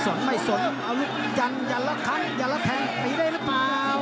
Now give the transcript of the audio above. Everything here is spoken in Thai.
สนไม่สนอาวุธยันต์ยันต์แล้วคังยันต์แล้วแทงตีได้หรือเปล่า